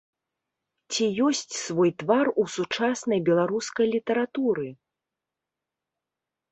Ці ёсць свой твар у сучаснай беларускай літаратуры?